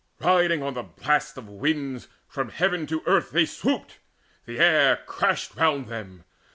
Riding on the blasts Of winds, from heaven to earth they swooped: the air Crashed round them.